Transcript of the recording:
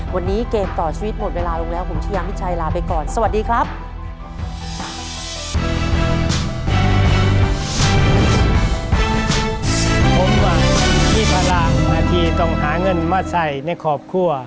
วันนี้เกมต่อชีวิตหมดเวลาลงแล้วผมชายามิชัยลาไปก่อนสวัสดีครับ